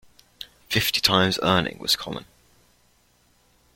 Fifty times earnings was common.